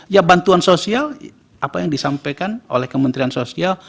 ya bantuan sosial apa yang disampaikan oleh kementerian sosial